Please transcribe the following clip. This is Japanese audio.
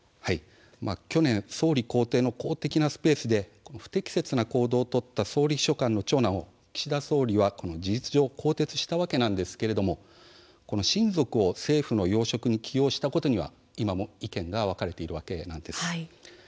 去年、総理公邸の公的なスペースで不適切な行動を取った総理秘書官の長男を岸田総理は事実上更迭したわけですがこの親族を政府の要職に起用したことには今も意見が分かれています。